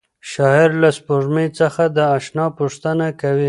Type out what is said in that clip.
شاعر له سپوږمۍ څخه د اشنا پوښتنه کوي.